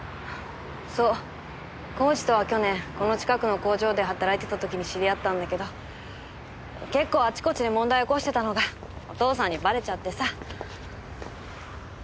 そう耕治とは去年この近くの工場で働いてた時に知り合ったんだけど結構あちこちで問題起こしてたのがお父さんにばれちゃってさ。